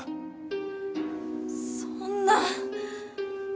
そんな。